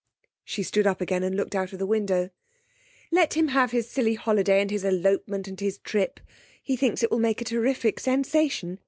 She stood up again and looked out of the window. 'Let him have his silly holiday and his elopement and his trip! He thinks it will make a terrific sensation!